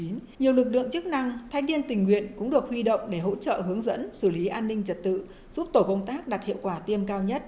nhiều lực lượng chức năng thanh niên tình nguyện cũng được huy động để hỗ trợ hướng dẫn xử lý an ninh trật tự giúp tổ công tác đạt hiệu quả tiêm cao nhất